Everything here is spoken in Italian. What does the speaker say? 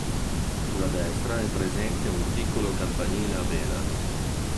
Sulla destra è presente un piccolo campanile a vela.